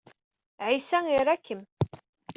Ɛisa ira-kem.